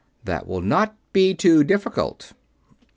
"That will not be too difficult."